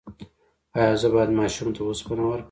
ایا زه باید ماشوم ته اوسپنه ورکړم؟